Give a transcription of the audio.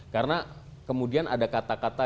karena kemudian ada kata kata